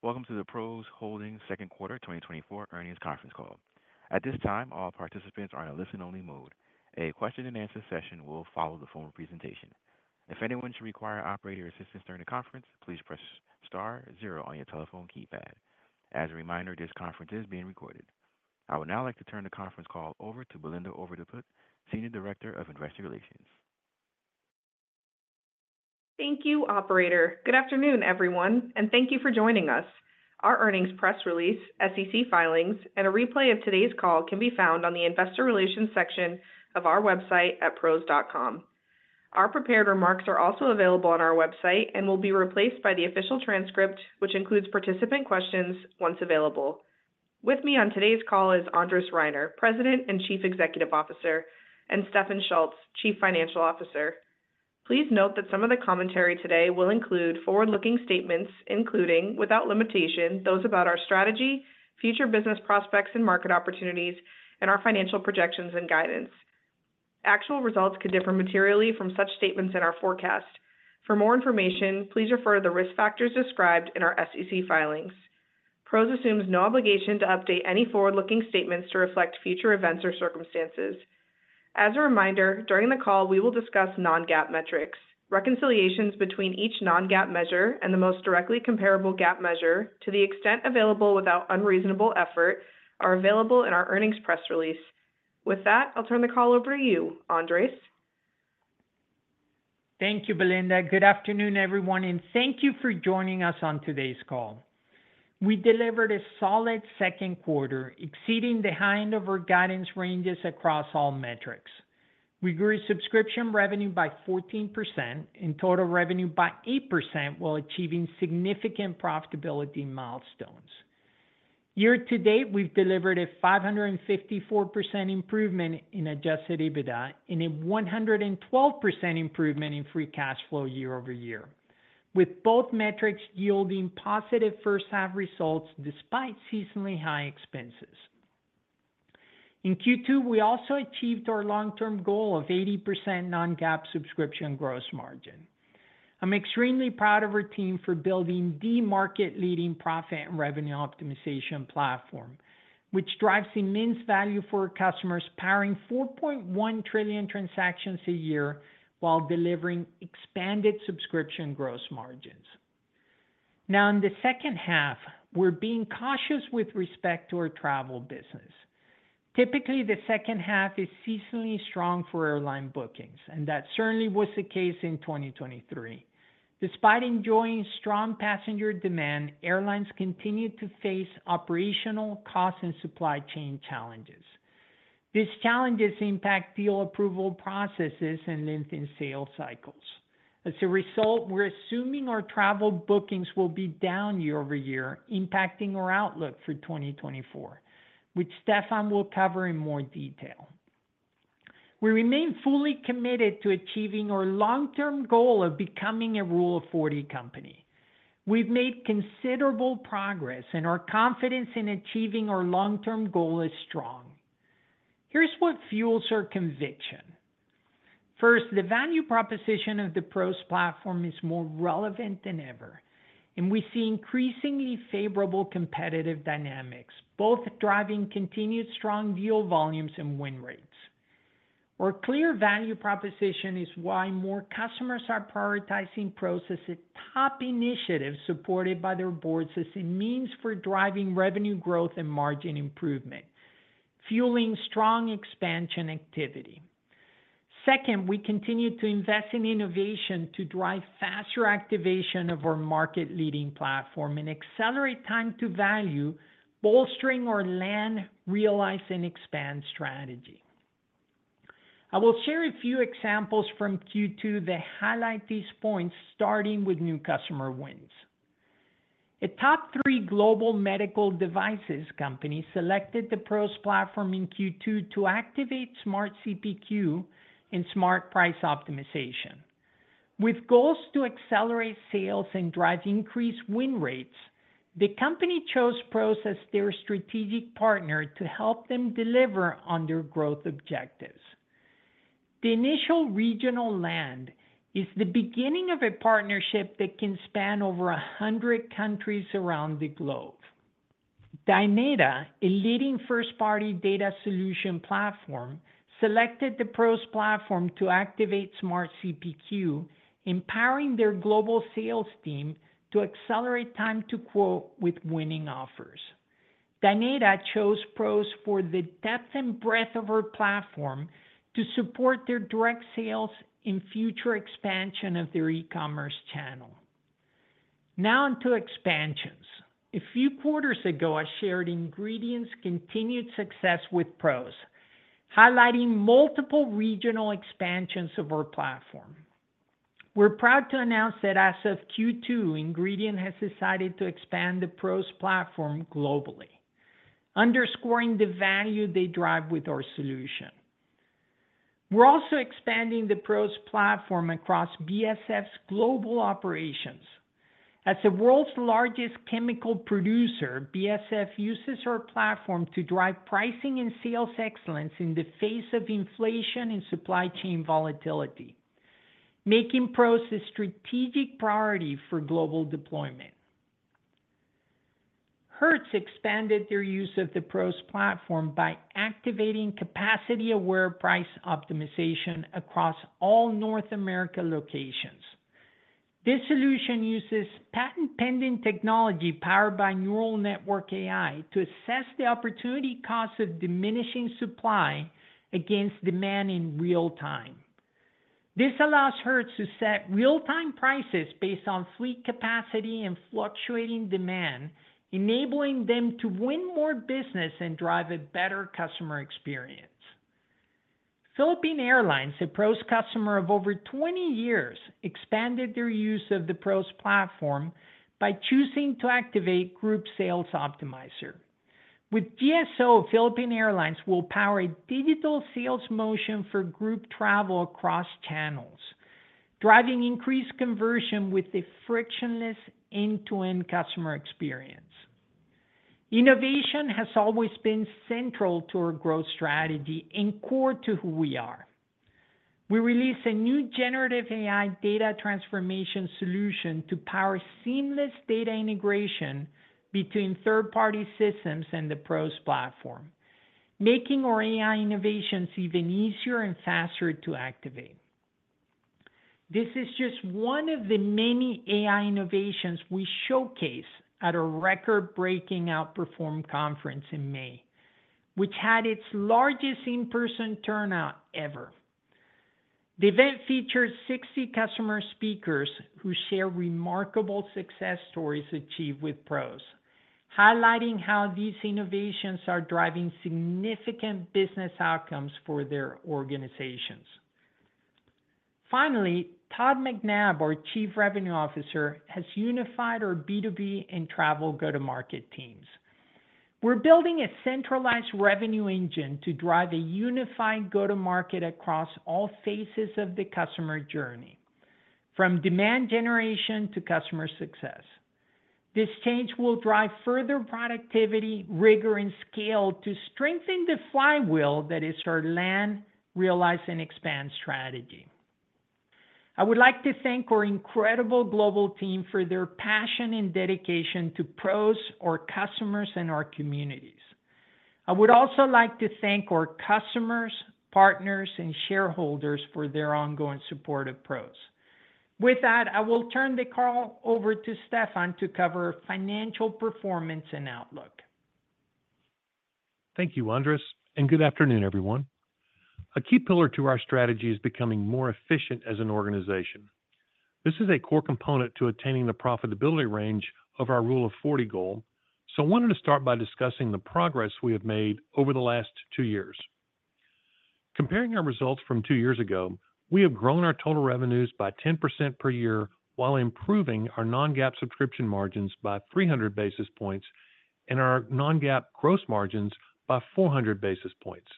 Greetings. Welcome to the PROS Holdings Second Quarter 2024 Earnings Conference Call. At this time, all participants are in a listen-only mode. A question-and-answer session will follow the formal presentation. If anyone should require operator assistance during the conference, please press star zero on your telephone keypad. As a reminder, this conference is being recorded. I would now like to turn the conference call over to Belinda Overdeput, Senior Director of Investor Relations. Thank you, Operator. Good afternoon, everyone, and thank you for joining us. Our earnings press release, SEC filings, and a replay of today's call can be found on the Investor Relations section of our website at pros.com. Our prepared remarks are also available on our website and will be replaced by the official transcript, which includes participant questions once available. With me on today's call is Andres Reiner, President and Chief Executive Officer, and Stefan Schulz, Chief Financial Officer. Please note that some of the commentary today will include forward-looking statements, including without limitation, those about our strategy, future business prospects and market opportunities, and our financial projections and guidance. Actual results could differ materially from such statements in our forecast. For more information, please refer to the risk factors described in our SEC filings. Pros assumes no obligation to update any forward-looking statements to reflect future events or circumstances. As a reminder, during the call, we will discuss non-GAAP metrics. Reconciliations between each non-GAAP measure and the most directly comparable GAAP measure to the extent available without unreasonable effort are available in our earnings press release. With that, I'll turn the call over to you, Andres. Thank you, Belinda. Good afternoon, everyone, and thank you for joining us on today's call. We delivered a solid second quarter, exceeding the high end of our guidance ranges across all metrics. We grew subscription revenue by 14% and total revenue by 8%, while achieving significant profitability milestones. Year to date, we've delivered a 554% improvement in Adjusted EBITDA and a 112% improvement in Free Cash Flow year-over-year, with both metrics yielding positive first-half results despite seasonally high expenses. In Q2, we also achieved our long-term goal of 80% non-GAAP subscription gross margin. I'm extremely proud of our team for building the market-leading profit and revenue optimization platform, which drives immense value for our customers, powering 4.1 trillion transactions a year while delivering expanded subscription gross margins. Now, in the second half, we're being cautious with respect to our travel business. Typically, the second half is seasonally strong for airline bookings, and that certainly was the case in 2023. Despite enjoying strong passenger demand, airlines continue to face operational costs and supply chain challenges. These challenges impact deal approval processes and lengthen sales cycles. As a result, we're assuming our travel bookings will be down year-over-year, impacting our outlook for 2024, which Stefan will cover in more detail. We remain fully committed to achieving our long-term goal of becoming a Rule of 40 company. We've made considerable progress, and our confidence in achieving our long-term goal is strong. Here's what fuels our conviction. First, the value proposition of the PROS platform is more relevant than ever, and we see increasingly favorable competitive dynamics, both driving continued strong deal volumes and win rates. Our clear value proposition is why more customers are prioritizing PROS as a top initiative supported by their boards as a means for driving revenue growth and margin improvement, fueling strong expansion activity. Second, we continue to invest in innovation to drive faster activation of our market-leading platform and accelerate time to value, bolstering our land, realize, and expand strategy. I will share a few examples from Q2 that highlight these points, starting with new customer wins. A top three global medical devices company selected the PROS platform in Q2 to activate Smart CPQ and Smart Price Optimization. With goals to accelerate sales and drive increased win rates, the company chose PROS as their strategic partner to help them deliver on their growth objectives. The initial regional land is the beginning of a partnership that can span over 100 countries around the globe. Dynata, a leading first-party data solution platform, selected the PROS platform to activate Smart CPQ, empowering their global sales team to accelerate time to quote with winning offers. Dynata chose PROS for the depth and breadth of our platform to support their direct sales and future expansion of their e-commerce channel. Now on to expansions. A few quarters ago, I shared Ingredion's continued success with PROS, highlighting multiple regional expansions of our platform. We're proud to announce that as of Q2, Ingredion has decided to expand the PROS platform globally, underscoring the value they drive with our solution. We're also expanding the PROS platform across BASF's global operations. As the world's largest chemical producer, BASF uses our platform to drive pricing and sales excellence in the face of inflation and supply chain volatility, making PROS a strategic priority for global deployment. Hertz expanded their use of the PROS platform by activating capacity-aware price optimization across all North America locations. This solution uses patent-pending technology powered by neural network AI to assess the opportunity cost of diminishing supply against demand in real time. This allows Hertz to set real-time prices based on fleet capacity and fluctuating demand, enabling them to win more business and drive a better customer experience. Philippine Airlines, a PROS customer of over 20 years, expanded their use of the PROS platform by choosing to activate Group Sales Optimizer. With GSO, Philippine Airlines will power a digital sales motion for group travel across channels, driving increased conversion with a frictionless end-to-end customer experience. Innovation has always been central to our growth strategy and core to who we are. We release a new generative AI data transformation solution to power seamless data integration between third-party systems and the PROS platform, making our AI innovations even easier and faster to activate. This is just one of the many AI innovations we showcase at our record-breaking Outperform Conference in May, which had its largest in-person turnout ever. The event featured 60 customer speakers who shared remarkable success stories achieved with PROS, highlighting how these innovations are driving significant business outcomes for their organizations. Finally, Todd McNabb, our Chief Revenue Officer, has unified our B2B and travel go-to-market teams. We're building a centralized revenue engine to drive a unified go-to-market across all phases of the customer journey, from demand generation to customer success. This change will drive further productivity, rigor, and scale to strengthen the flywheel that is our land, realize, and expand strategy. I would like to thank our incredible global team for their passion and dedication to PROS, our customers, and our communities. I would also like to thank our customers, partners, and shareholders for their ongoing support of PROS. With that, I will turn the call over to Stefan to cover financial performance and outlook. Thank you, Andres, and good afternoon, everyone. A key pillar to our strategy is becoming more efficient as an organization. This is a core component to attaining the profitability range of our Rule of 40 goal, so I wanted to start by discussing the progress we have made over the last two years. Comparing our results from two years ago, we have grown our total revenues by 10% per year while improving our non-GAAP subscription margins by 300 basis points and our non-GAAP gross margins by 400 basis points.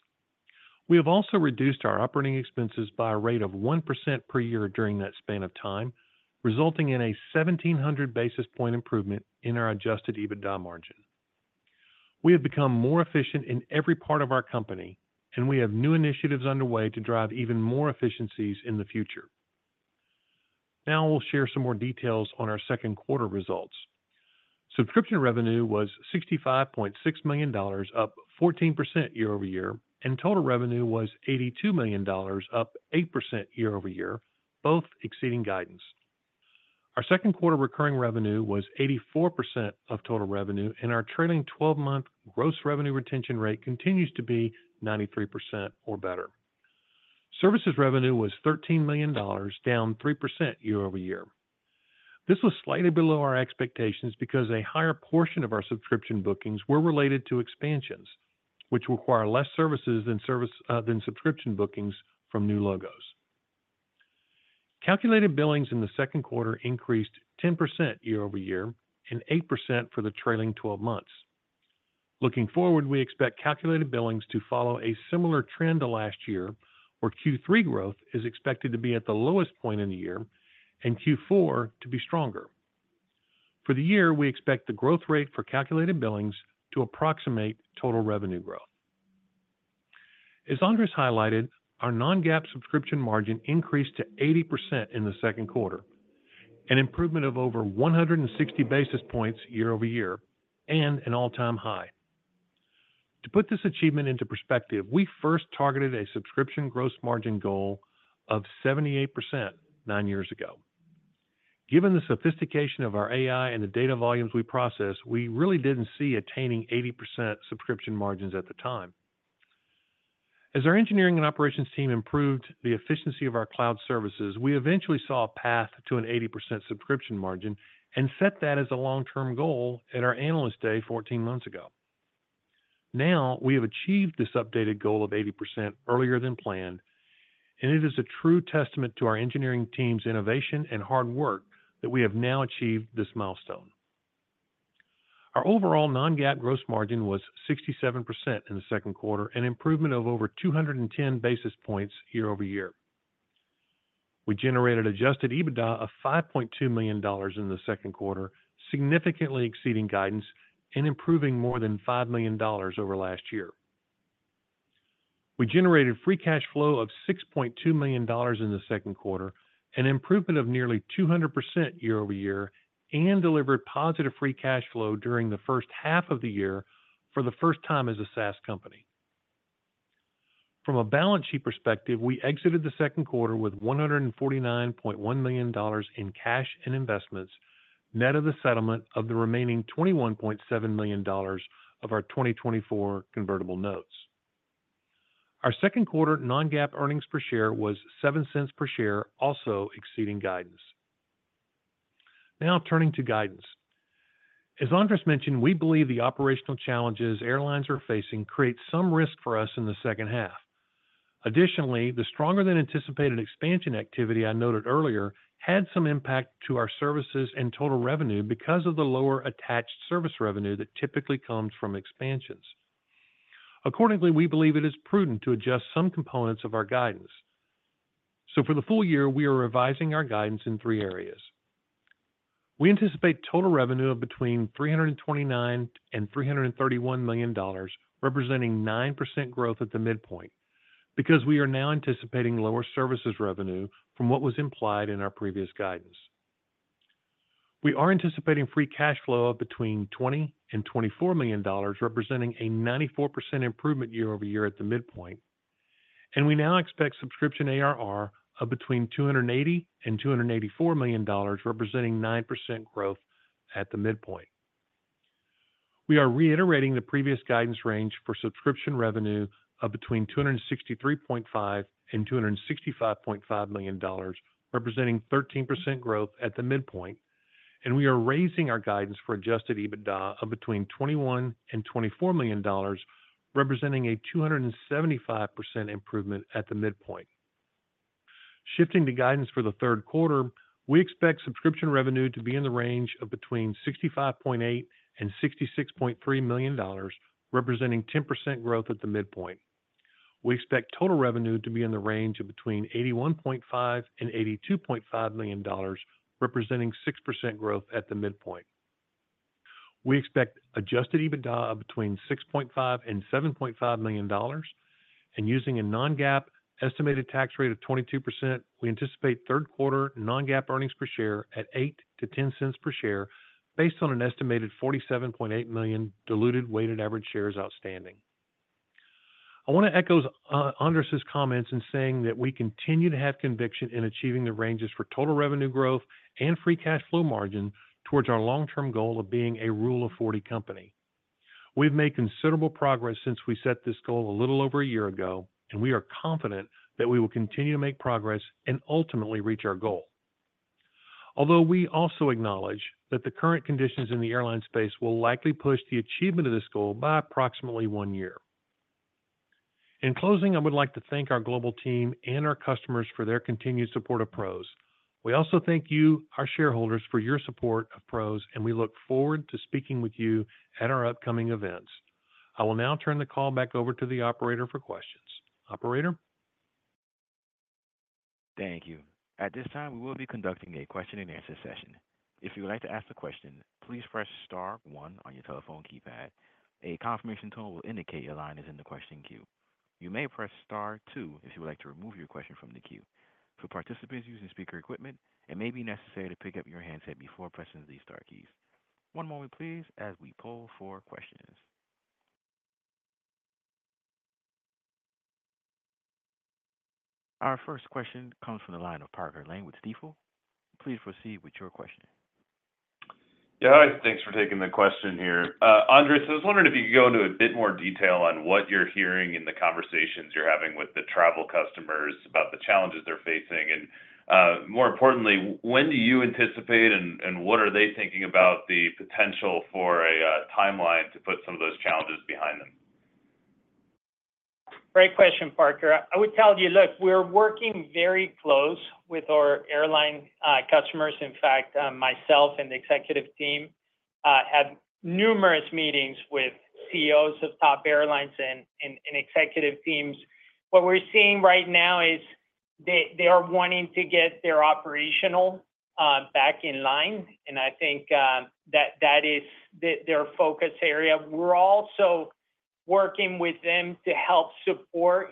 We have also reduced our operating expenses by a rate of 1% per year during that span of time, resulting in a 1,700 basis point improvement in our Adjusted EBITDA margin. We have become more efficient in every part of our company, and we have new initiatives underway to drive even more efficiencies in the future. Now I will share some more details on our second quarter results. Subscription revenue was $65.6 million, up 14% year-over-year, and total revenue was $82 million, up 8% year-over-year, both exceeding guidance. Our second quarter recurring revenue was 84% of total revenue, and our trailing 12-month gross revenue retention rate continues to be 93% or better. Services revenue was $13 million, down 3% year-over-year. This was slightly below our expectations because a higher portion of our subscription bookings were related to expansions, which require less services than subscription bookings from new logos. Calculated billings in the second quarter increased 10% year-over-year and 8% for the trailing 12 months. Looking forward, we expect calculated billings to follow a similar trend to last year, where Q3 growth is expected to be at the lowest point in the year and Q4 to be stronger. For the year, we expect the growth rate for calculated billings to approximate total revenue growth. As Andres highlighted, our non-GAAP subscription margin increased to 80% in the second quarter, an improvement of over 160 basis points year-over-year and an all-time high. To put this achievement into perspective, we first targeted a subscription gross margin goal of 78% nine years ago. Given the sophistication of our AI and the data volumes we process, we really didn't see attaining 80% subscription margins at the time. As our engineering and operations team improved the efficiency of our cloud services, we eventually saw a path to an 80% subscription margin and set that as a long-term goal at our analyst day 14 months ago. Now we have achieved this updated goal of 80% earlier than planned, and it is a true testament to our engineering team's innovation and hard work that we have now achieved this milestone. Our overall non-GAAP gross margin was 67% in the second quarter, an improvement of over 210 basis points year-over-year. We generated Adjusted EBITDA of $5.2 million in the second quarter, significantly exceeding guidance and improving more than $5 million over last year. We generated free cash flow of $6.2 million in the second quarter, an improvement of nearly 200% year-over-year, and delivered positive free cash flow during the first half of the year for the first time as a SaaS company. From a balance sheet perspective, we exited the second quarter with $149.1 million in cash and investments, net of the settlement of the remaining $21.7 million of our 2024 convertible notes. Our second quarter non-GAAP earnings per share was $0.07 per share, also exceeding guidance. Now turning to guidance. As Andres mentioned, we believe the operational challenges airlines are facing create some risk for us in the second half. Additionally, the stronger-than-anticipated expansion activity I noted earlier had some impact to our services and total revenue because of the lower attached service revenue that typically comes from expansions. Accordingly, we believe it is prudent to adjust some components of our guidance. So for the full year, we are revising our guidance in three areas. We anticipate total revenue of between $329 million and $331 million, representing 9% growth at the midpoint because we are now anticipating lower services revenue from what was implied in our previous guidance. We are anticipating Free Cash Flow of between $20 and $24 million, representing a 94% improvement year-over-year at the midpoint, and we now expect Subscription ARR of between $280 and $284 million, representing 9% growth at the midpoint. We are reiterating the previous guidance range for subscription revenue of between $263.5 and $265.5 million, representing 13% growth at the midpoint, and we are raising our guidance for Adjusted EBITDA of between $21 and $24 million, representing a 275% improvement at the midpoint. Shifting to guidance for the third quarter, we expect subscription revenue to be in the range of between $65.8 and $66.3 million, representing 10% growth at the midpoint. We expect total revenue to be in the range of between $81.5 and $82.5 million, representing 6% growth at the midpoint. We expect Adjusted EBITDA of between $6.5 and $7.5 million, and using a non-GAAP estimated tax rate of 22%, we anticipate third quarter non-GAAP earnings per share at $0.08-$0.10 per share based on an estimated $47.8 million diluted weighted average shares outstanding. I want to echo Andres' comments in saying that we continue to have conviction in achieving the ranges for total revenue growth and free cash flow margin towards our long-term goal of being a Rule of 40 company. We've made considerable progress since we set this goal a little over a year ago, and we are confident that we will continue to make progress and ultimately reach our goal, although we also acknowledge that the current conditions in the airline space will likely push the achievement of this goal by approximately one year. In closing, I would like to thank our global team and our customers for their continued support of PROS. We also thank you, our shareholders, for your support of PROS, and we look forward to speaking with you at our upcoming events. I will now turn the call back over to the operator for questions. Operator. Thank you. At this time, we will be conducting a question-and-answer session. If you would like to ask a question, please press star one on your telephone keypad. A confirmation tone will indicate your line is in the question queue. You may press star two if you would like to remove your question from the queue. For participants using speaker equipment, it may be necessary to pick up your handset before pressing these star keys. One moment, please, as we pull for questions. Our first question comes from the line of Parker Lane with Stifel. Please proceed with your question. Yeah, thanks for taking the question here. Andres, I was wondering if you could go into a bit more detail on what you're hearing in the conversations you're having with the travel customers about the challenges they're facing. More importantly, when do you anticipate and what are they thinking about the potential for a timeline to put some of those challenges behind them? Great question, Parker. I would tell you, look, we're working very close with our airline customers. In fact, myself and the executive team have numerous meetings with CEOs of top airlines and executive teams. What we're seeing right now is they are wanting to get their operational back in line, and I think that is their focus area. We're also working with them to help support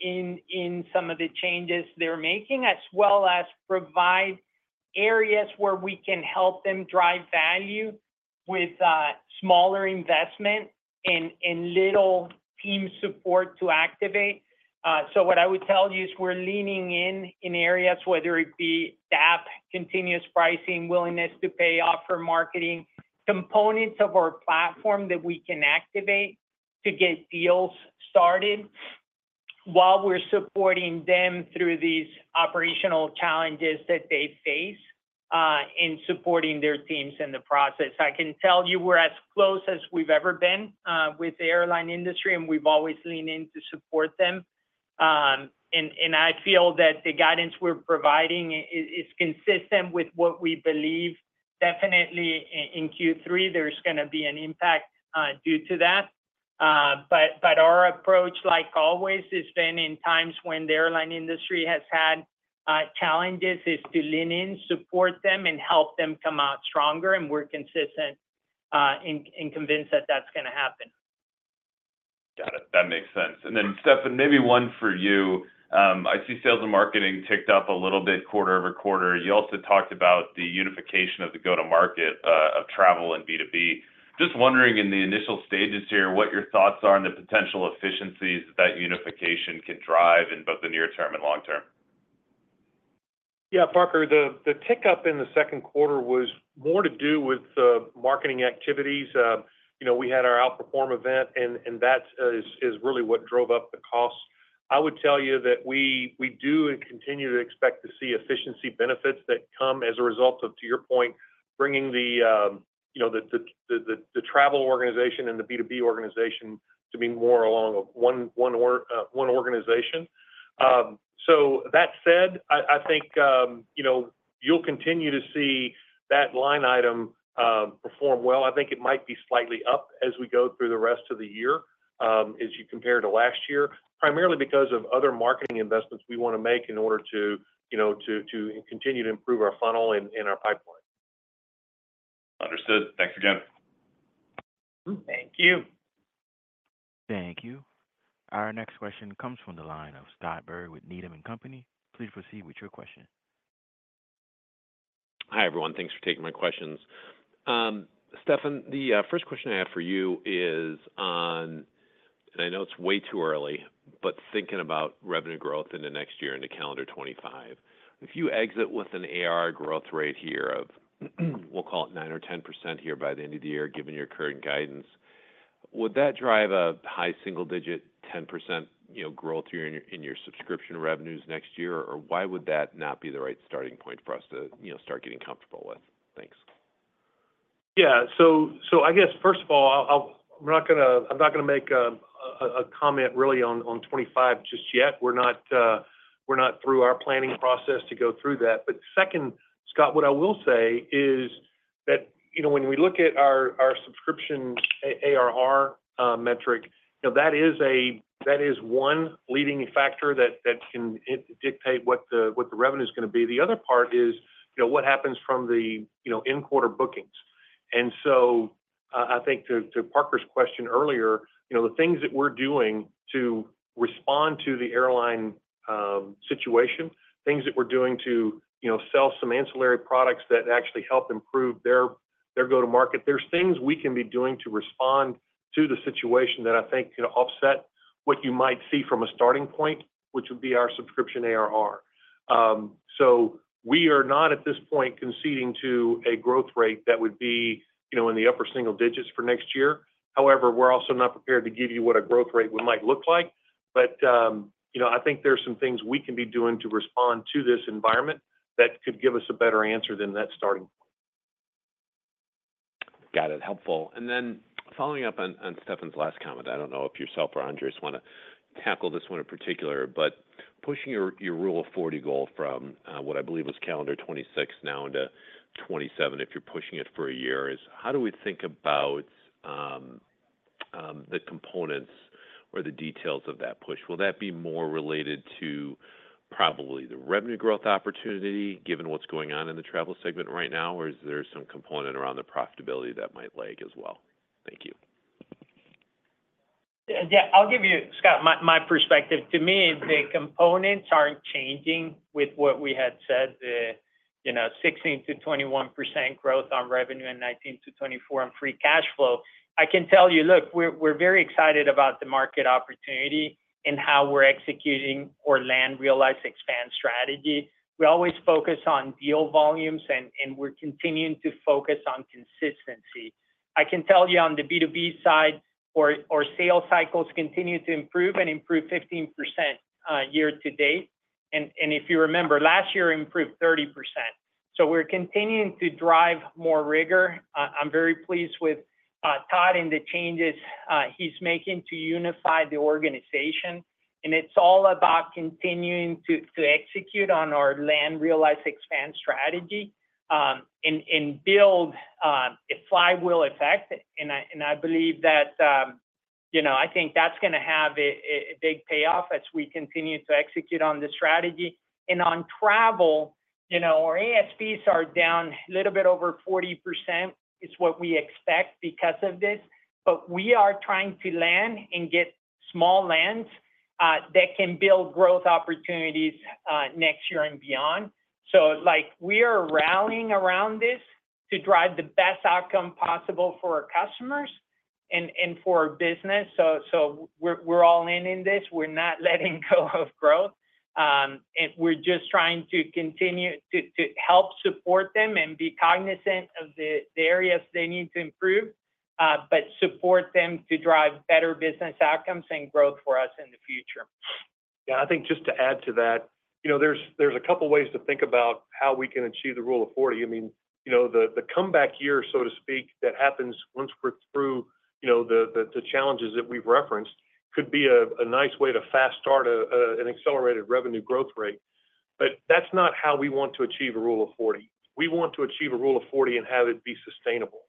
in some of the changes they're making, as well as provide areas where we can help them drive value with smaller investment and little team support to activate. So what I would tell you is we're leaning in in areas, whether it be DAP, continuous pricing, willingness to pay offer marketing, components of our platform that we can activate to get deals started while we're supporting them through these operational challenges that they face in supporting their teams in the process. I can tell you we're as close as we've ever been with the airline industry, and we've always leaned in to support them. I feel that the guidance we're providing is consistent with what we believe. Definitely, in Q3, there's going to be an impact due to that. Our approach, like always, has been in times when the airline industry has had challenges, is to lean in, support them, and help them come out stronger and more consistent and convinced that that's going to happen. Got it. That makes sense. And then, Stefan, maybe one for you. I see sales and marketing ticked up a little bit quarter-over-quarter. You also talked about the unification of the go-to-market of travel and B2B. Just wondering in the initial stages here what your thoughts are on the potential efficiencies that unification can drive in both the near term and long term. Yeah, Parker, the tick up in the second quarter was more to do with marketing activities. We had our Outperform event, and that is really what drove up the costs. I would tell you that we do continue to expect to see efficiency benefits that come as a result of, to your point, bringing the travel organization and the B2B organization to be more along one organization. So that said, I think you'll continue to see that line item perform well. I think it might be slightly up as we go through the rest of the year as you compare to last year, primarily because of other marketing investments we want to make in order to continue to improve our funnel and our pipeline. Understood. Thanks again. Thank you. Thank you. Our next question comes from the line of Scott Berg with Needham & Company. Please proceed with your question. Hi everyone. Thanks for taking my questions. Stefan, the first question I have for you is on, and I know it's way too early, but thinking about revenue growth in the next year, in the calendar 2025, if you exit with an ARR growth rate here of, we'll call it 9% or 10% here by the end of the year, given your current guidance, would that drive a high single-digit 10% growth in your subscription revenues next year, or why would that not be the right starting point for us to start getting comfortable with? Thanks. Yeah. So I guess, first of all, I'm not going to make a comment really on 2025 just yet. We're not through our planning process to go through that. But second, Scott, what I will say is that when we look at our subscription ARR metric, that is one leading factor that can dictate what the revenue is going to be. The other part is what happens from the in-quarter bookings. And so I think to Parker's question earlier, the things that we're doing to respond to the airline situation, things that we're doing to sell some ancillary products that actually help improve their go-to-market, there's things we can be doing to respond to the situation that I think can offset what you might see from a starting point, which would be our subscription ARR. We are not at this point conceding to a growth rate that would be in the upper single digits for next year. However, we're also not prepared to give you what a growth rate would might look like. I think there are some things we can be doing to respond to this environment that could give us a better answer than that starting point. Got it. Helpful. Then following up on Stefan's last comment, I don't know if yourself or Andres want to tackle this one in particular, but pushing your Rule of 40 goal from what I believe was calendar 2026 now into 2027, if you're pushing it for a year, is how do we think about the components or the details of that push? Will that be more related to probably the revenue growth opportunity given what's going on in the travel segment right now, or is there some component around the profitability that might lag as well? Thank you. Yeah, I'll give you, Scott, my perspective. To me, the components aren't changing with what we had said, the 16%-21% growth on revenue and 19%-24% on free cash flow. I can tell you, look, we're very excited about the market opportunity and how we're executing our land realized expand strategy. We always focus on deal volumes, and we're continuing to focus on consistency. I can tell you on the B2B side, our sales cycles continue to improve and improve 15% year to date. And if you remember, last year improved 30%. So we're continuing to drive more rigor. I'm very pleased with Todd and the changes he's making to unify the organization. And it's all about continuing to execute on our land realized expand strategy and build a flywheel effect. I believe that I think that's going to have a big payoff as we continue to execute on the strategy. On travel, our ASPs are down a little bit over 40% is what we expect because of this. But we are trying to land and get small lands that can build growth opportunities next year and beyond. So we are rallying around this to drive the best outcome possible for our customers and for our business. So we're all in this. We're not letting go of growth. We're just trying to continue to help support them and be cognizant of the areas they need to improve, but support them to drive better business outcomes and growth for us in the future. Yeah. I think just to add to that, there's a couple of ways to think about how we can achieve the Rule of 40. I mean, the comeback year, so to speak, that happens once we're through the challenges that we've referenced could be a nice way to fast start an accelerated revenue growth rate. But that's not how we want to achieve a Rule of 40. We want to achieve a Rule of 40 and have it be sustainable.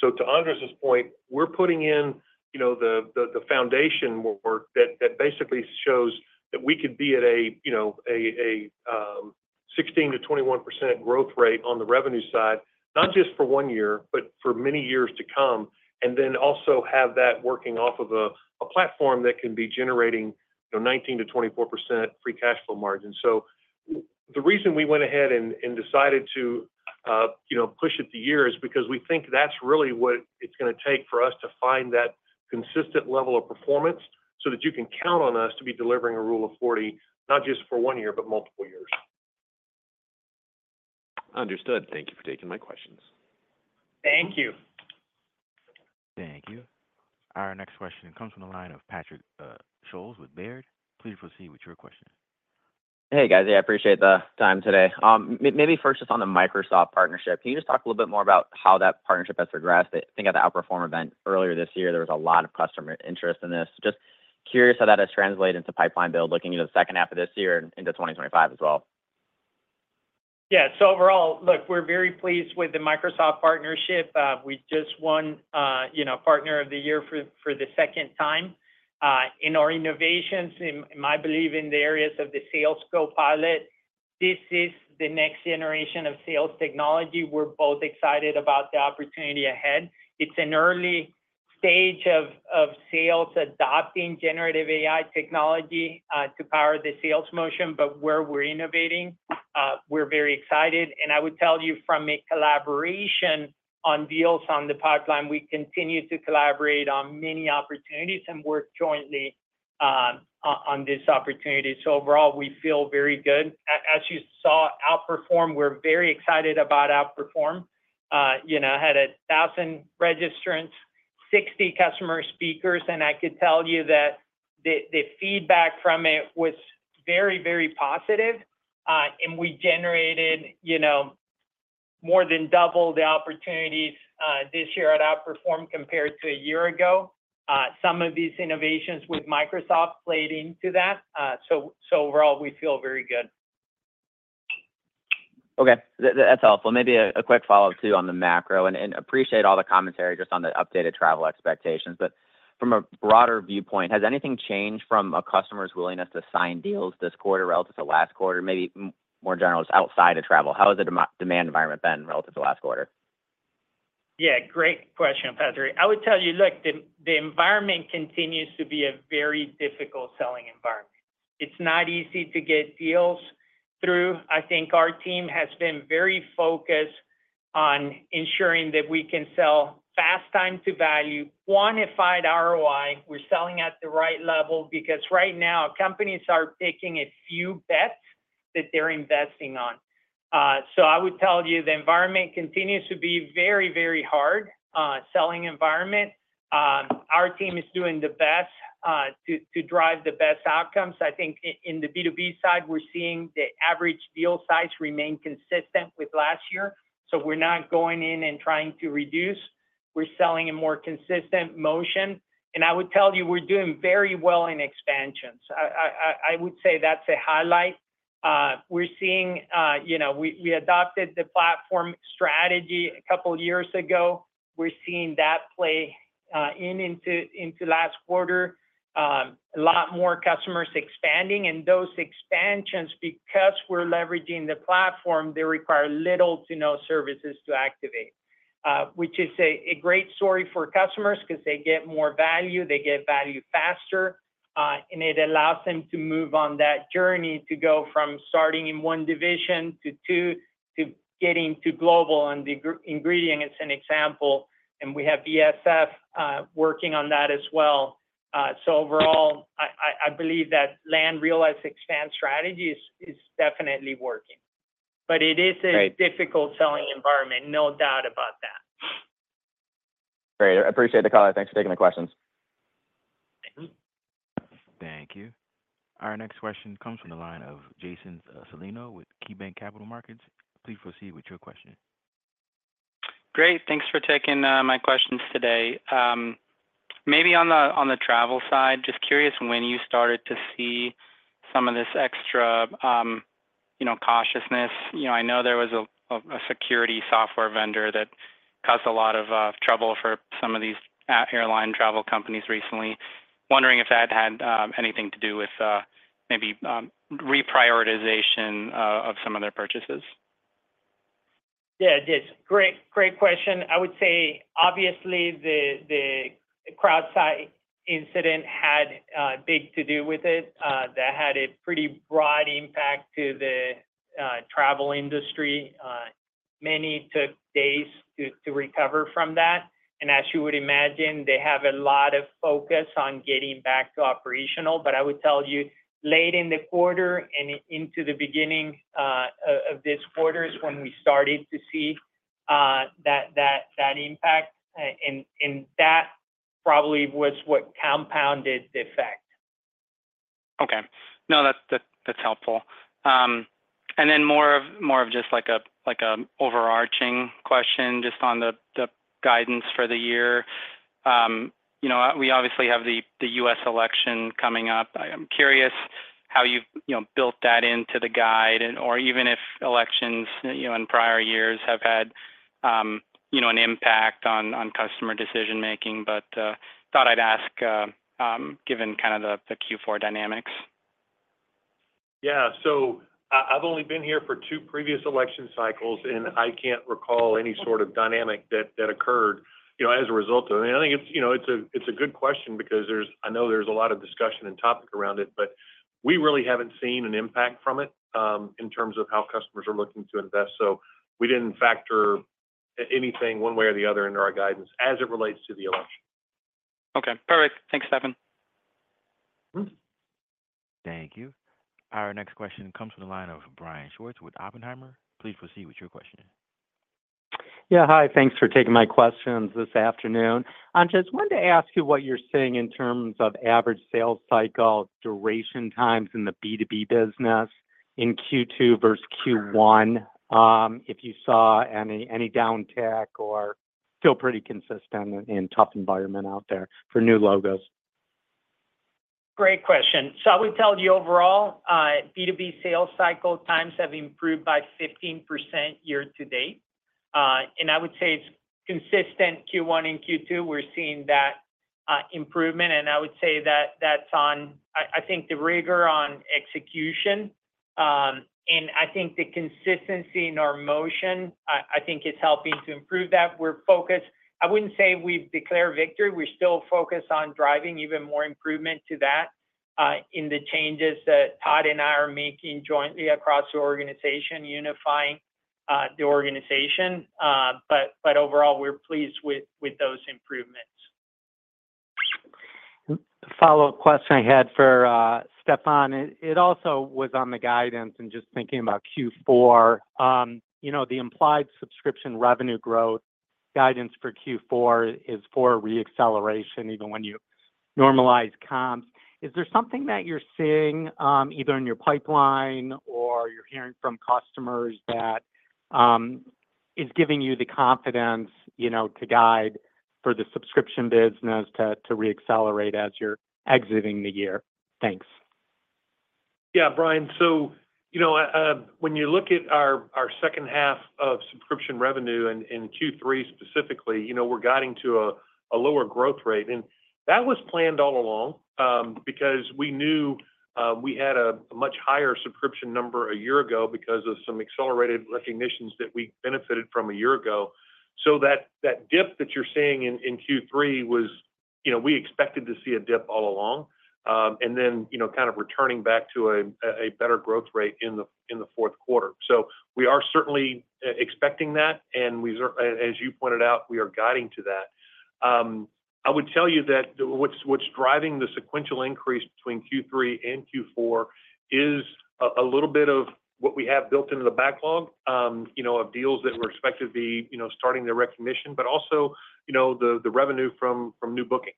So to Andres' point, we're putting in the foundation work that basically shows that we could be at a 16%-21% growth rate on the revenue side, not just for one year, but for many years to come, and then also have that working off of a platform that can be generating 19%-24% free cash flow margin. The reason we went ahead and decided to push it the year is because we think that's really what it's going to take for us to find that consistent level of performance so that you can count on us to be delivering a Rule of 40, not just for one year, but multiple years. Understood. Thank you for taking my questions. Thank you. Thank you. Our next question comes from the line of Patrick Scholes with Baird. Please proceed with your question. Hey, guys. I appreciate the time today. Maybe first, just on the Microsoft partnership, can you just talk a little bit more about how that partnership has progressed? I think at the Outperform event earlier this year, there was a lot of customer interest in this. Just curious how that has translated into pipeline build looking into the second half of this year and into 2025 as well. Yeah. So overall, look, we're very pleased with the Microsoft partnership. We just won Partner of the Year for the second time. In our innovations, and I believe in the areas of the Sales Copilot, this is the next generation of sales technology. We're both excited about the opportunity ahead. It's an early stage of sales adopting generative AI technology to power the sales motion, but where we're innovating, we're very excited. And I would tell you from a collaboration on deals on the pipeline, we continue to collaborate on many opportunities and work jointly on this opportunity. So overall, we feel very good. As you saw Outperform, we're very excited about Outperform. It had 1,000 registrants, 60 customer speakers, and I could tell you that the feedback from it was very, very positive. And we generated more than double the opportunities this year at Outperform compared to a year ago. Some of these innovations with Microsoft played into that. So overall, we feel very good. Okay. That's helpful. Maybe a quick follow-up too on the macro. And appreciate all the commentary just on the updated travel expectations. But from a broader viewpoint, has anything changed from a customer's willingness to sign deals this quarter relative to last quarter, maybe more general just outside of travel? How has the demand environment been relative to last quarter? Yeah. Great question, Patrick. I would tell you, look, the environment continues to be a very difficult selling environment. It's not easy to get deals through. I think our team has been very focused on ensuring that we can sell fast time to value, quantified ROI. We're selling at the right level because right now, companies are taking a few bets that they're investing on. So I would tell you the environment continues to be very, very hard selling environment. Our team is doing the best to drive the best outcomes. I think in the B2B side, we're seeing the average deal size remain consistent with last year. So we're not going in and trying to reduce. We're selling in more consistent motion. And I would tell you we're doing very well in expansions. I would say that's a highlight. We're seeing we adopted the platform strategy a couple of years ago. We're seeing that play into last quarter, a lot more customers expanding. And those expansions, because we're leveraging the platform, they require little to no services to activate, which is a great story for customers because they get more value, they get value faster, and it allows them to move on that journey to go from starting in one division to two to getting to global and Ingredion is an example. And we have BASF working on that as well. So overall, I believe that land-and-expand strategy is definitely working. But it is a difficult selling environment, no doubt about that. Great. I appreciate the call. Thanks for taking the questions. Thank you. Our next question comes from the line of Jason Celino with KeyBanc Capital Markets. Please proceed with your question. Great. Thanks for taking my questions today. Maybe on the travel side, just curious when you started to see some of this extra cautiousness? I know there was a security software vendor that caused a lot of trouble for some of these airline travel companies recently. Wondering if that had anything to do with maybe reprioritization of some of their purchases? Yeah, it did. Great question. I would say, obviously, the CrowdStrike incident had a big to do with it. That had a pretty broad impact to the travel industry. Many took days to recover from that. And as you would imagine, they have a lot of focus on getting back to operational. But I would tell you late in the quarter and into the beginning of this quarter is when we started to see that impact. And that probably was what compounded the effect. Okay. No, that's helpful. And then more of just like an overarching question just on the guidance for the year. We obviously have the U.S. election coming up. I'm curious how you've built that into the guide, or even if elections in prior years have had an impact on customer decision-making. But thought I'd ask given kind of the Q4 dynamics. Yeah. So I've only been here for two previous election cycles, and I can't recall any sort of dynamic that occurred as a result of it. I think it's a good question because I know there's a lot of discussion and topic around it, but we really haven't seen an impact from it in terms of how customers are looking to invest. We didn't factor anything one way or the other into our guidance as it relates to the election. Okay. Perfect. Thanks, Stefan. Thank you. Our next question comes from the line of Brian Schwartz with Oppenheimer. Please proceed with your question. Yeah. Hi. Thanks for taking my questions this afternoon. I just wanted to ask you what you're seeing in terms of average sales cycle duration times in the B2B business in Q2 versus Q1, if you saw any downtick or still pretty consistent and tough environment out there for new logos? Great question. So I would tell you overall, B2B sales cycle times have improved by 15% year to date. And I would say it's consistent Q1 and Q2. We're seeing that improvement. And I would say that that's on, I think, the rigor on execution. And I think the consistency in our motion, I think it's helping to improve that. We're focused. I wouldn't say we've declared victory. We're still focused on driving even more improvement to that in the changes that Todd and I are making jointly across the organization, unifying the organization. But overall, we're pleased with those improvements. Follow-up question I had for Stefan. It also was on the guidance and just thinking about Q4. The implied subscription revenue growth guidance for Q4 is for re-acceleration even when you normalize comps. Is there something that you're seeing either in your pipeline or you're hearing from customers that is giving you the confidence to guide for the subscription business to re-accelerate as you're exiting the year? Thanks. Yeah, Brian. So when you look at our second half of subscription revenue in Q3 specifically, we're guiding to a lower growth rate. That was planned all along because we knew we had a much higher subscription number a year ago because of some accelerated recognitions that we benefited from a year ago. So that dip that you're seeing in Q3 was we expected to see a dip all along and then kind of returning back to a better growth rate in the fourth quarter. We are certainly expecting that. As you pointed out, we are guiding to that. I would tell you that what's driving the sequential increase between Q3 and Q4 is a little bit of what we have built into the backlog of deals that were expected to be starting their recognition, but also the revenue from new bookings.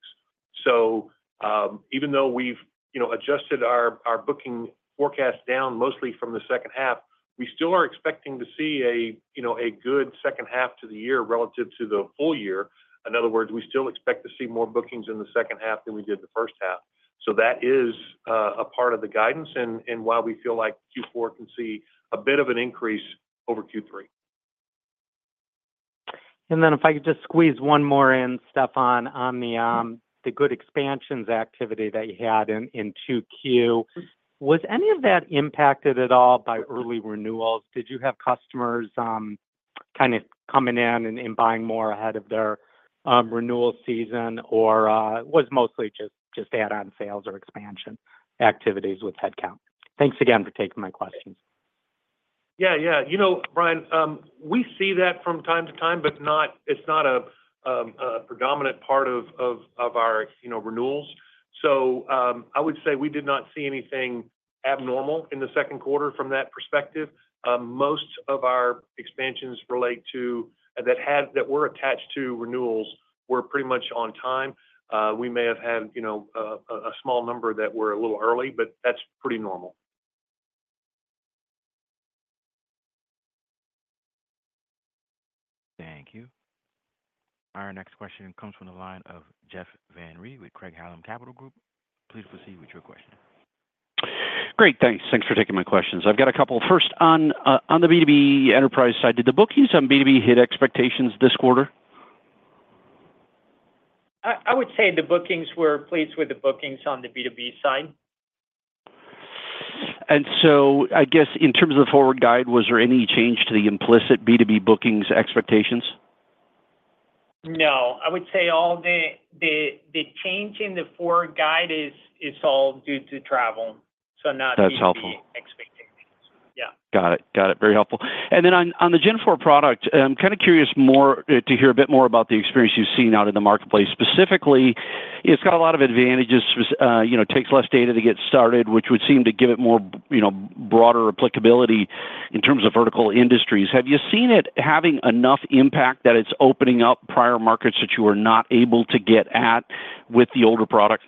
Even though we've Adjusted our booking forecast down mostly from the second half, we still are expecting to see a good second half to the year relative to the full year. In other words, we still expect to see more bookings in the second half than we did the first half. That is a part of the guidance and why we feel like Q4 can see a bit of an increase over Q3. If I could just squeeze one more in, Stefan, on the good expansions activity that you had in QQ. Was any of that impacted at all by early renewals? Did you have customers kind of coming in and buying more ahead of their renewal season? Or was it mostly just add-on sales or expansion activities with headcount? Thanks again for taking my questions. Yeah, yeah. Brian, we see that from time to time, but it's not a predominant part of our renewals. So I would say we did not see anything abnormal in the second quarter from that perspective. Most of our expansions relate to that were attached to renewals were pretty much on time. We may have had a small number that were a little early, but that's pretty normal. Thank you. Our next question comes from the line of Jeff Van Rhee with Craig-Hallum Capital Group. Please proceed with your question. Great. Thanks. Thanks for taking my questions. I've got a couple. First, on the B2B enterprise side, did the bookings on B2B hit expectations this quarter? I would say the bookings were pleased with the bookings on the B2B side. I guess in terms of the forward guide, was there any change to the implicit B2B bookings expectations? No. I would say all the change in the forward guide is all due to travel. So not. That's helpful. Expectations. Yeah. Got it. Got it. Very helpful. And then on the Gen IV product, I'm kind of curious to hear a bit more about the experience you've seen out in the marketplace. Specifically, it's got a lot of advantages. Takes less data to get started, which would seem to give it more broader applicability in terms of vertical industries. Have you seen it having enough impact that it's opening up prior markets that you were not able to get at with the older product?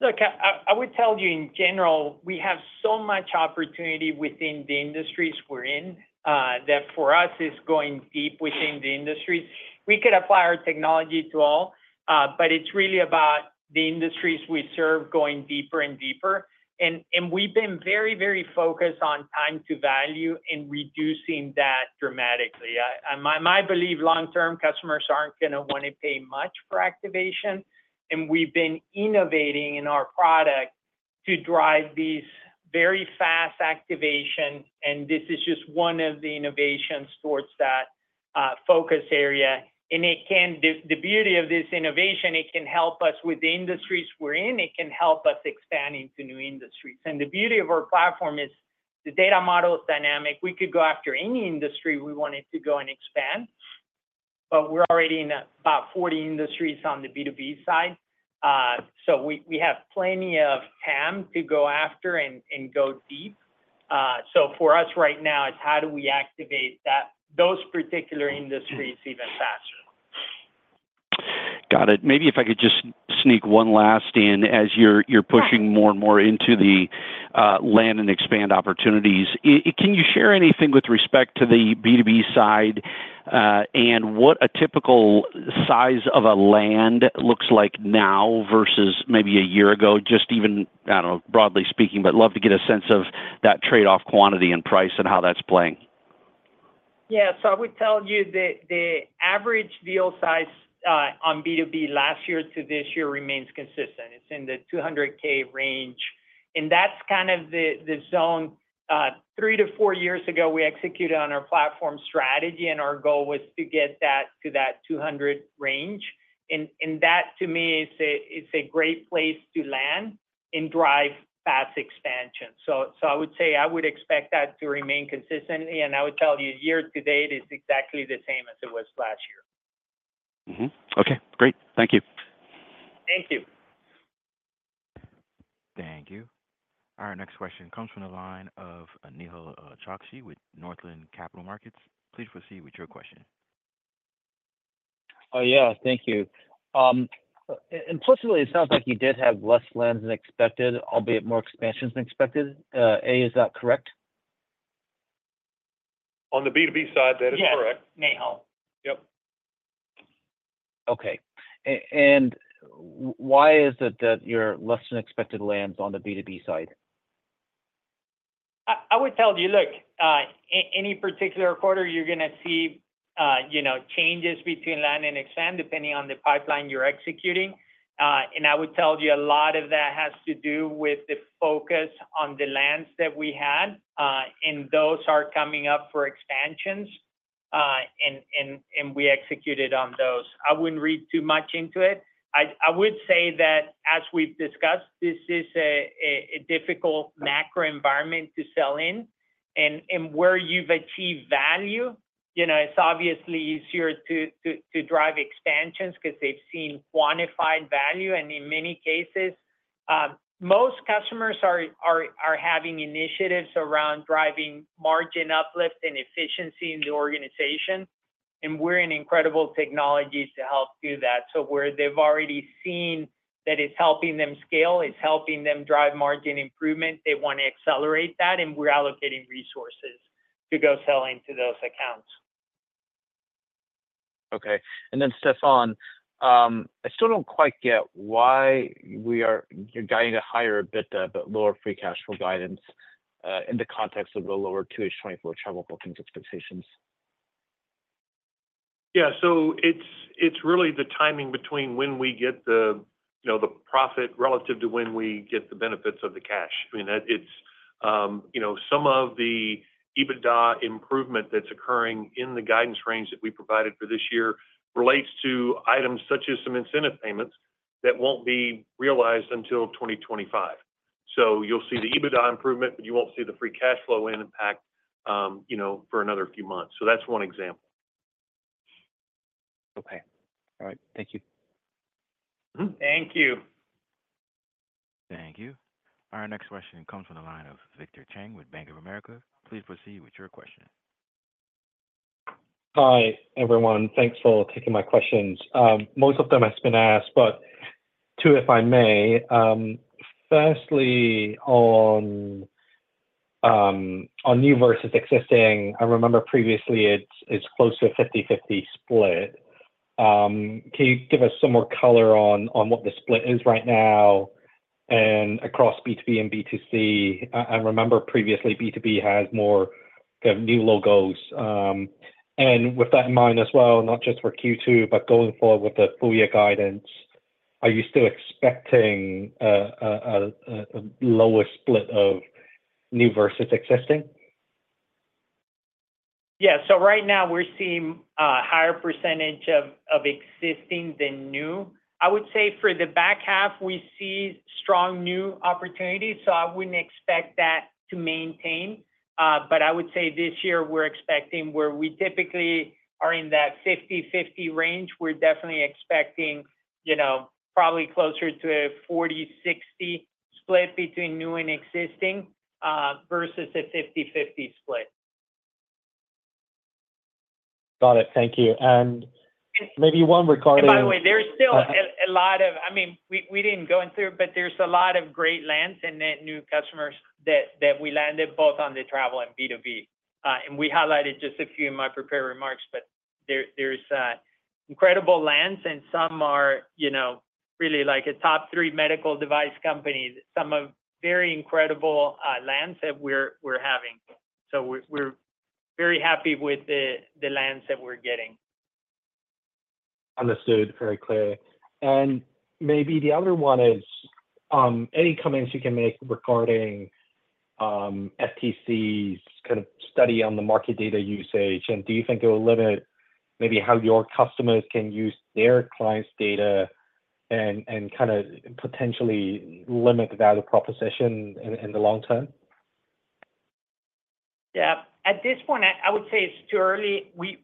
Look, I would tell you in general, we have so much opportunity within the industries we're in that for us, it's going deep within the industries. We could apply our technology to all, but it's really about the industries we serve going deeper and deeper. And we've been very, very focused on time to value and reducing that dramatically. And I believe long-term customers aren't going to want to pay much for activation. And we've been innovating in our product to drive these very fast activation. And this is just one of the innovations towards that focus area. And the beauty of this innovation, it can help us with the industries we're in. It can help us expand into new industries. And the beauty of our platform is the data model is dynamic. We could go after any industry we wanted to go and expand. We're already in about 40 industries on the B2B side. We have plenty of time to go after and go deep. For us right now, it's how do we activate those particular industries even faster? Got it. Maybe if I could just sneak one last in as you're pushing more and more into the land and expand opportunities. Can you share anything with respect to the B2B side and what a typical size of a land looks like now versus maybe a year ago, just even, I don't know, broadly speaking, but I'd love to get a sense of that trade-off quantity and price and how that's playing? Yeah. I would tell you the average deal size on B2B last year to this year remains consistent. It's in the $200K range. That's kind of the zone. Three to four years ago, we executed on our platform strategy, and our goal was to get that to that $200K range. That, to me, is a great place to land and drive fast expansion. I would say I would expect that to remain consistent. I would tell you year to date, it's exactly the same as it was last year. Okay. Great. Thank you. Thank you. Thank you. Our next question comes from the line of Nehal Chokshi with Northland Capital Markets. Please proceed with your question. Oh, yeah. Thank you. Implicitly, it sounds like you did have less lands than expected, albeit more expansions than expected. A, is that correct? On the B2B side, that is correct. Yes, Nihal. Yep. Okay. And why is it that your less-than-expected lands on the B2B side? I would tell you, look, any particular quarter, you're going to see changes between land and expand depending on the pipeline you're executing. And I would tell you a lot of that has to do with the focus on the lands that we had. And those are coming up for expansions, and we executed on those. I wouldn't read too much into it. I would say that as we've discussed, this is a difficult macro environment to sell in. And where you've achieved value, it's obviously easier to drive expansions because they've seen quantified value. And in many cases, most customers are having initiatives around driving margin uplift and efficiency in the organization. And we're an incredible technology to help do that. So where they've already seen that it's helping them scale, it's helping them drive margin improvement. They want to accelerate that, and we're allocating resources to go sell into those accounts. Okay. And then, Stefan, I still don't quite get why we are guiding to higher EBITDA but lower free cash flow guidance in the context of the lower Q2 travel bookings expectations? Yeah. So it's really the timing between when we get the profit relative to when we get the benefits of the cash. I mean, some of the EBITDA improvement that's occurring in the guidance range that we provided for this year relates to items such as some incentive payments that won't be realized until 2025. So you'll see the EBITDA improvement, but you won't see the free cash flow impact for another few months. So that's one example. Okay. All right. Thank you. Thank you. Thank you. Our next question comes from the line of Victor Cheng with Bank of America. Please proceed with your question. Hi, everyone. Thanks for taking my questions. Most of them have been asked, but two, if I may. Firstly, on new versus existing, I remember previously it's close to a 50/50 split. Can you give us some more color on what the split is right now and across B2B and B2C? I remember previously B2B has more new logos. And with that in mind as well, not just for Q2, but going forward with the four-year guidance, are you still expecting a lower split of new versus existing? Yeah. Right now, we're seeing a higher percentage of existing than new. I would say for the back half, we see strong new opportunities. I wouldn't expect that to maintain. I would say this year we're expecting where we typically are in that 50/50 range, we're definitely expecting probably closer to a 40/60 split between new and existing versus a 50/50 split. Got it. Thank you. And maybe one regarding. By the way, there's still a lot of, I mean, we didn't go into it, but there's a lot of great lands and new customers that we landed both on the travel and B2B. And we highlighted just a few in my prepared remarks, but there's incredible lands, and some are really like a top three medical device companies. Some are very incredible lands that we're having. So we're very happy with the lands that we're getting. Understood. Very clear. And maybe the other one is any comments you can make regarding FTC's kind of study on the market data usage? And do you think it will limit maybe how your customers can use their clients' data and kind of potentially limit the value proposition in the long term? Yeah. At this point, I would say it's too early. We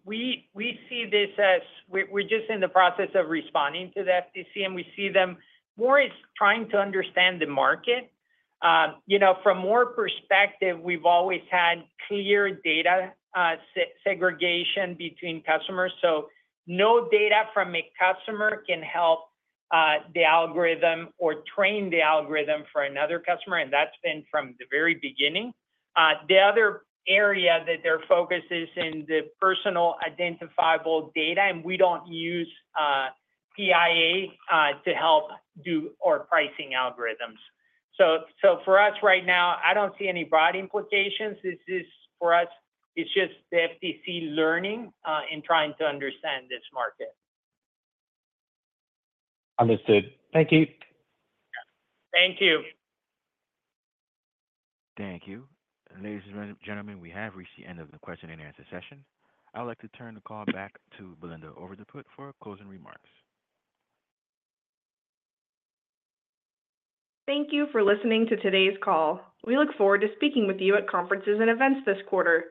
see this as we're just in the process of responding to the FTC, and we see them more as trying to understand the market. From our perspective, we've always had clear data segregation between customers. So no data from a customer can help the algorithm or train the algorithm for another customer. And that's been from the very beginning. The other area that their focus is in the personal identifiable data, and we don't use PII to help do our pricing algorithms. So for us right now, I don't see any broad implications. For us, it's just the FTC learning and trying to understand this market. Understood. Thank you. Thank you. Thank you. Ladies, gentlemen, we have reached the end of the question and answer session. I'd like to turn the call back to Belinda Overdeput for closing remarks. Thank you for listening to today's call. We look forward to speaking with you at conferences and events this quarter.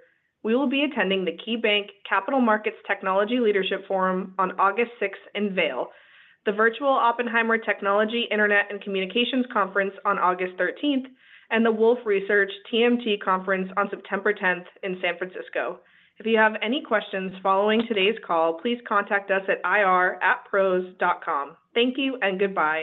We will be attending the KeyBanc Capital Markets Technology Leadership Forum on August 6th in Vail, the virtual Oppenheimer Technology Internet and Communications Conference on August 13th, and the Wolfe Research TMT Conference on September 10th in San Francisco. If you have any questions following today's call, please contact us at ir@pros.com. Thank you and goodbye.